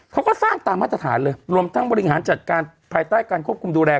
เขาก็สร้างตามมาตรฐานเลยรวมทั้งบริหารจัดการภายใต้การควบคุมดูแล